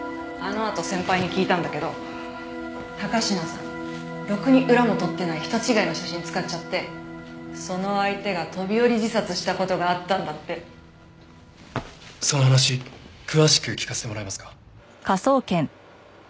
あのあと先輩に聞いたんだけど高階さんろくに裏も取ってない人違いの写真使っちゃってその相手が飛び降り自殺した事があったんだって。その話詳しく聞かせてもらえますか？